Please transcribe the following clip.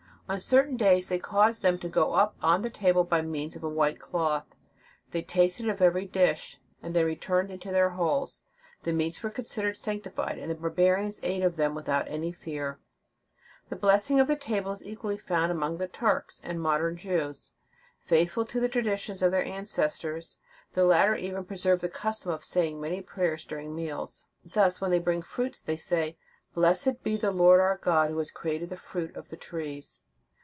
On certain days they caused them to go up on the table by means of a white table cloth : they tasted of every dish, and then returned into their holes. The meats were considered sancti fied, and the barbarians ate of them without any fear.J The blessing of the table is equally found among the Turks and modern Jews. Faith ful to the traditions of their ancestors, the * Sozomen. Hist. lib. 3. c. 4. f Crantz, lib. iii. Vandal., c. 37. \ Stuckiua, p. 431. In the Nineteenth Century. 253 latter even preserve the custom of saying many prayers during meals. Thus, when they bring fruits they say: "Blessed be the Lord our God, who has created the fruit of he trees."